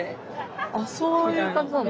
あっそういう感じなんだ。